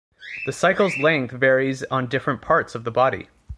The cycle's length varies on different parts of the body.